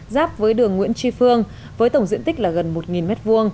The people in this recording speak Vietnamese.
giáp với đường nguyễn tri phương với tổng diện tích là gần một m hai